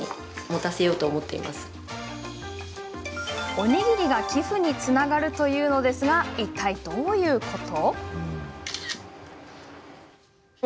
おにぎりが寄付につながるというのですがいったいどういうこと？